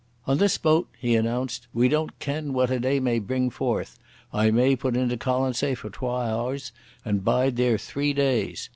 "On this boat," he announced, "we don't ken what a day may bring forth. I may put into Colonsay for twa hours and bide there three days.